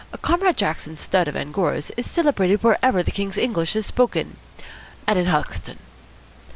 Comrade Jackson's stud of Angoras is celebrated wherever the King's English is spoken, and in Hoxton."